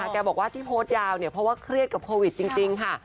แกบอกว่าที่โพสต์ยาวเนี่ยเพราะว่าเครียดกับโควิดจริงค่ะ